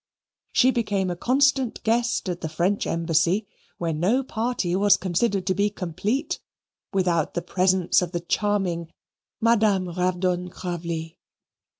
She became a constant guest at the French Embassy, where no party was considered to be complete without the presence of the charming Madame Ravdonn Cravley.